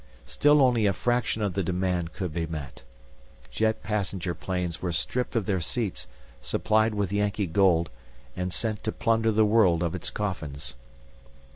Still only a fraction of the demand could be met. Jet passenger planes were stripped of their seats, supplied with Yankee gold, and sent to plunder the world of its coffins.